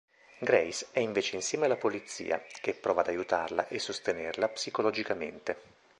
Grace è invece insieme alla polizia che prova ad aiutarla e sostenerla psicologicamente.